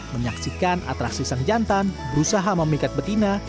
menyaksikan atraksi sang jantan berusaha memikat betina